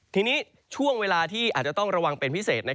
ทีนี้ช่วงเวลาที่อาจจะต้องระวังเป็นพิเศษ